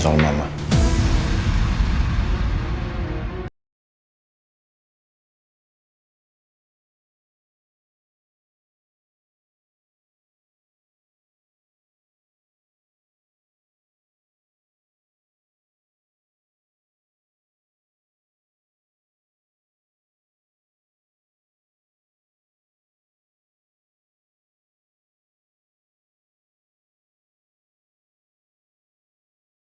lalu gimana mau ngerayain gak